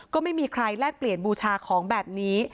ก็ไม่มีใครแลกเปลี่ยนบูชาของแบบนี้